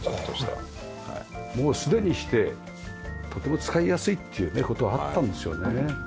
もうすでにしてとても使いやすいっていう事はあったんでしょうね。